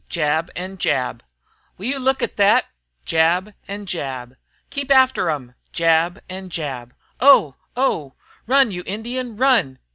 jab and jab "Will you look at thet?" jab and jab " Keep after 'em" jab and jab "Oh! Oh! run, you Indian, run."